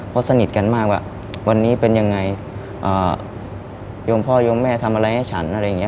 เพราะสนิทกันมากว่าวันนี้เป็นยังไงโยมพ่อโยมแม่ทำอะไรให้ฉันอะไรอย่างนี้